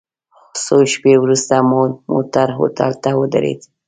څو شېبې وروسته مو موټر هوټل ته ودرید.